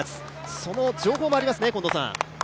その情報もありますね。